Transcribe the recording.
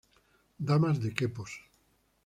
Damas de Quepos.